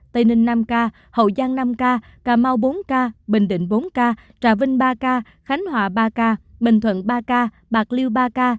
tây ninh năm ca hậu giang năm ca cà mau bốn ca bình định bốn ca trà vinh ba ca khánh hòa ba ca bình thuận ba ca bạc liêu ba ca